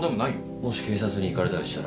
もし警察に行かれたりしたら。